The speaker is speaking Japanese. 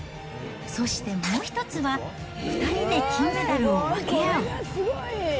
そしてもう１つは、２人で金メダルを分け合う。